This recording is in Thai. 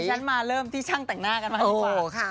ฉันมาเริ่มที่ช่างแต่งหน้ากันบ้างดีกว่า